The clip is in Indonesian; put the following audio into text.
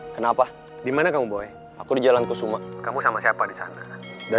kalau dia misalnya di carne asama kan gue tau dia plaza